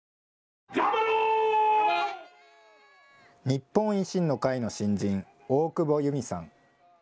日本維新の会の新人、大久保裕美さん。